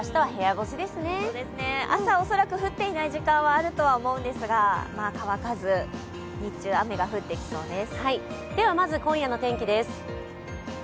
朝、恐らく降っていない時間があるとは思うんですが、乾かず、日中雨が降ってきそうです。